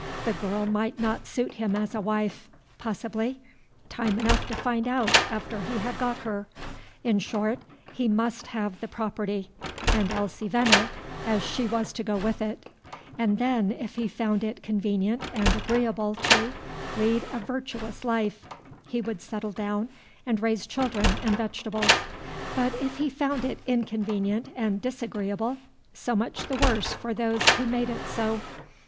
The girl might not suit him as a wife. Possibly. Time enough to find out after he had got her. In short, he must have the property, and Elsie Venner, as she was to go with it, and then, if he found it convenient and agreeable to, lead a virtuous life, he would settle down and raise children and vegetables; but if he found it inconvenient and disagreeable, so much the worse for those who made it so.